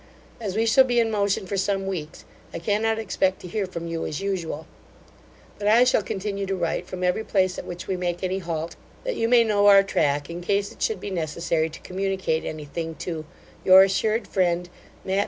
As we shall be in motion for some weeks, I cannot expect to hear from you as usual; but I shall continue to write from every place at which we make any halt, that you may know our track, in case it should be necessary to communicate any thing to Your assured friend, MATT.